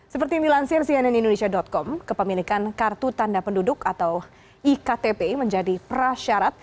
seperti yang dilansir cnn indonesia com kepemilikan kartu tanda penduduk atau iktp menjadi prasyarat